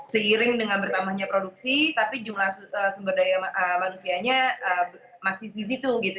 seiring dengan bertambahnya produksi tapi jumlah sumber daya manusianya masih di situ gitu